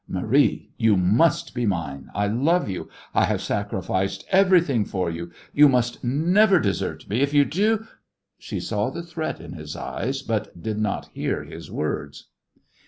Marie, you must be mine. I love you. I have sacrificed everything for you. You must never desert me. If you do " She saw the threat in his eyes, but did not hear his words.